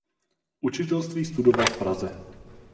Učitelství studoval v Praze.